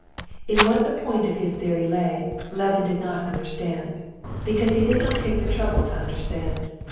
In what the point of his theory lay, Levin did not understand, because he did not take the trouble to understand.